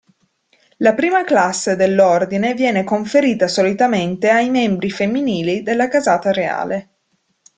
La prima classe dell'Ordine viene conferita solitamente ai membri femminili della casata reale.